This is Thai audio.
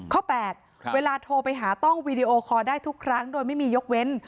๘เวลาโทรไปหาต้องวีดีโอคอร์ได้ทุกครั้งโดยไม่มียกเว้น